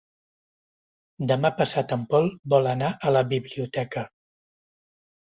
Demà passat en Pol vol anar a la biblioteca.